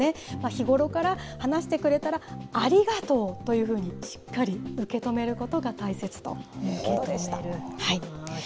日頃から話してくれたらありがとうというふうに、しっかり受け止めることが大切ということでした。